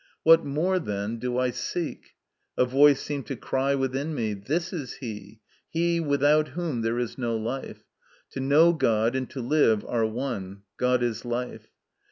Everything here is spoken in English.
"What more, then, do I seek?" A voice seemed to cry within me, " This is He, He without whom there is no life. To know God and to live are one. God is life."